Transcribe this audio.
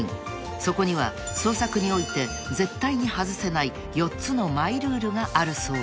［そこには創作において絶対に外せない４つのマイルールがあるそうで］